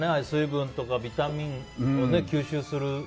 水分とか、ビタミンを吸収する。